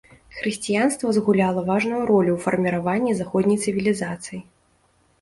Хрысціянства згуляла важную ролю ў фарміраванні заходняй цывілізацыі.